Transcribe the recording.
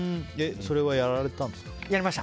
それは、やられたんですか？